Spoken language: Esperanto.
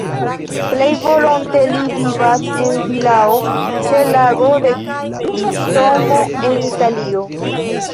Plej volonte li vivas en vilao ĉe Lago de Como en Italio.